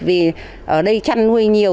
vì ở đây chăn nuôi nhiều